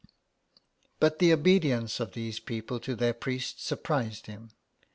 But the obedience of these people to their priest surprised him.